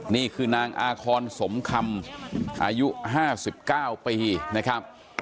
นี่คือนางอาคอนสมคำอายุห้าสิบเก้าปีนะครับ